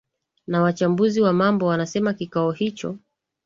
na wachambuzi wa mambo wanasema kikao hicho